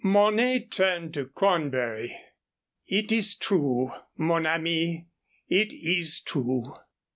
Mornay turned to Cornbury. "It is true, mon ami it is true."